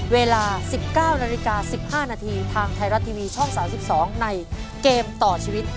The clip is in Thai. เวลา๑๙น๑๕นทางไทยรัดทีวีช่อง๓๒ในเกมต่อชีวิต